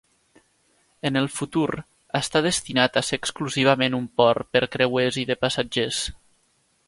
En el futur està destinat a ser exclusivament un port per creuers i de passatgers.